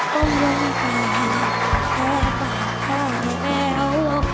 กราบร่วงป่าแพ้ปากเผาแล้ว